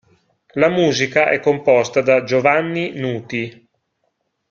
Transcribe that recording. La musica è composta da Giovanni Nuti.